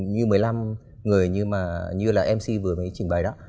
như một mươi năm người như là mc vừa mới trình bày đó